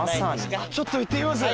ちょっと行ってきます。